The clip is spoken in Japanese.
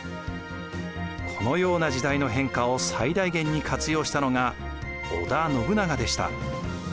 このような時代の変化を最大限に活用したのが織田信長でした。